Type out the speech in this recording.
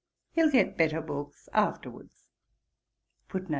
He'll get better books afterwards.'